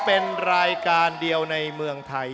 เป็นรายการเดียวในเมืองไทย